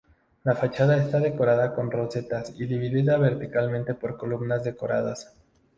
La fachada está decorada con rosetas y dividida verticalmente por columnas decoradas.